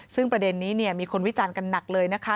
ซึ่งประเด็นนี้มีคนวิจารณ์กันหนักเลยนะคะ